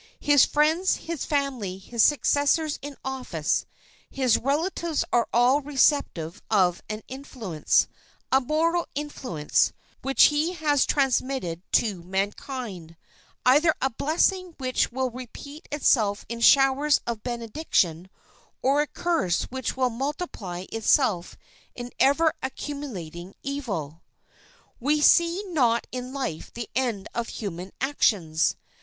His friends, his family, his successors in office, his relatives are all receptive of an influence, a moral influence, which he has transmitted to mankind—either a blessing which will repeat itself in showers of benediction, or a curse which will multiply itself in ever accumulating evil. We see not in life the end of human actions.